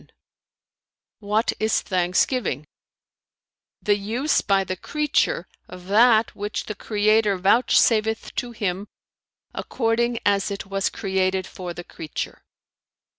Q "What is thanksgiving?" "The use by the creature of that which the Creator vouchsafeth to him, according as it was created for the creature."